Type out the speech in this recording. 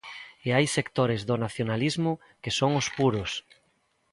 E hai sectores do nacionalismo que son os puros!